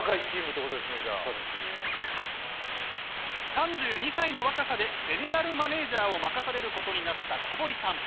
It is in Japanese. ３２歳の若さでゼネラルマネージャーを任されることになった小堀さん。